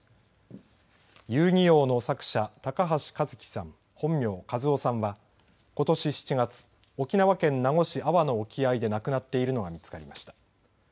遊☆戯☆王の作者高橋和希さん本名、一雅さんは、ことし７月沖縄県名護市安和の沖合で亡くなっているのが見つかりました。